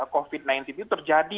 covid sembilan belas itu terjadi